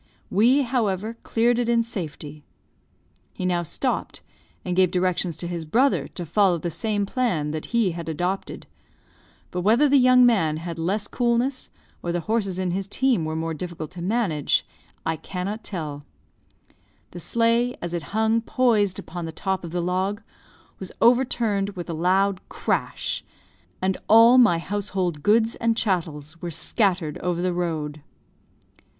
We, however, cleared it in safety. He now stopped, and gave directions to his brother to follow the same plan that he had adopted; but whether the young man had less coolness, or the horses in his team were more difficult to manage, I cannot tell: the sleigh, as it hung poised upon the top of the log, was overturned with a loud crash, and all my household goods and chattels were scattered over the road.